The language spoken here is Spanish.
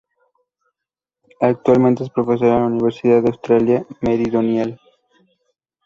Actualmente, es profesora en la Universidad de Australia Meridional.